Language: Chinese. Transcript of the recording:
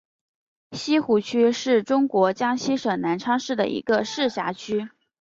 西湖区是中国江西省南昌市的一个市辖区。